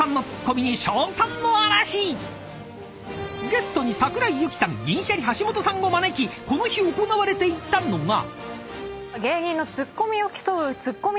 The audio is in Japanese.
［ゲストに桜井ユキさん銀シャリ橋本さんを招きこの日行われていたのが］